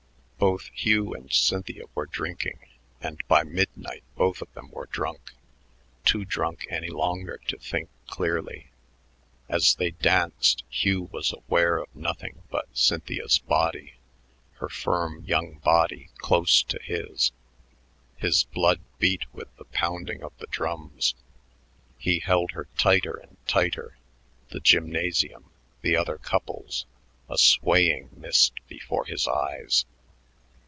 Both Hugh and Cynthia were drinking, and by midnight both of them were drunk, too drunk any longer to think clearly. As they danced, Hugh was aware of nothing but Cynthia's body, her firm young body close to his. His blood beat with the pounding of the drums. He held her tighter and tighter the gymnasium, the other couples, a swaying mist before his eyes.